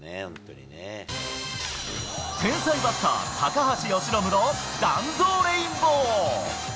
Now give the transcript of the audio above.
天才バッター、高橋由伸の弾道レインボー。